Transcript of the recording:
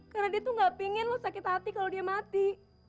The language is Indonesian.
karena dia tuh gak pingin lo sakit hati kalo dia mati